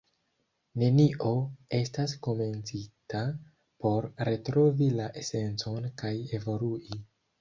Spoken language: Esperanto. Nenio estas komencita por retrovi la esencon kaj evolui.